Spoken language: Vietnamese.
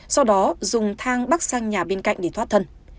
sau đó dùng thang bắt sang nhà bên cạnh để thoát thân